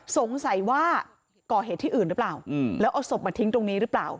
สงสัยว่าก่อเหตุที่อื่นหรือเปล่าแล้วเอาศพมาทิ้งตรงนี้หรือเปล่า